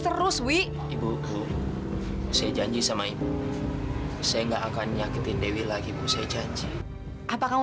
terus wi ibu saya janji sama ibu saya enggak akan nyakitin dewi lagi bu saya janji apa kamu